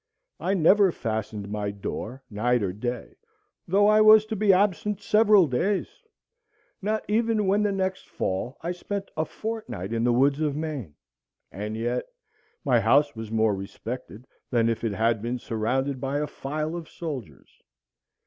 I never fastened my door night or day, though I was to be absent several days; not even when the next fall I spent a fortnight in the woods of Maine. And yet my house was more respected than if it had been surrounded by a file of soldiers.